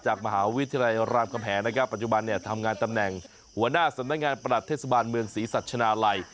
มหาวิทยาลัยรามคำแหงนะครับปัจจุบันเนี่ยทำงานตำแหน่งหัวหน้าสำนักงานประหลัดเทศบาลเมืองศรีสัชนาลัย